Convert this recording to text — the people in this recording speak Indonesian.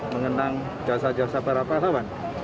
mengenang jasa jasa para pahlawan